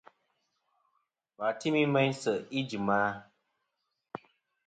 Wà timi meyn sèʼ ijìm a?